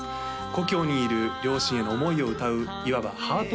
故郷にいる両親への思いを歌ういわばハート